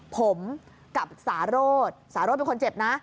ผมกับสารโรธสารสเป็นคนเจ็บนะ